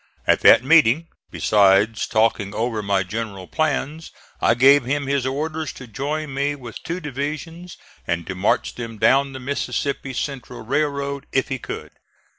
At that meeting, besides talking over my general plans I gave him his orders to join me with two divisions and to march them down the Mississippi Central railroad if he could.